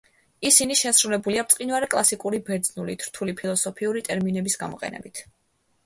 ისინი შესრულებულია ბრწყინვალე კლასიკური ბერძნულით, რთული ფილოსოფიური ტერმინების გამოყენებით.